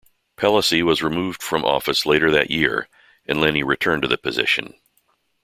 Pellissey was removed from office later that year, and Lennie returned to the position.